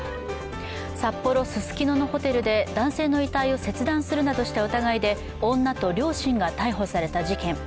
札幌・ススキノのホテルで男性の遺体を切断するなどした疑いで女と両親が逮捕された事件。